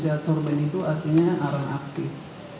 adsorben itu artinya arang aktif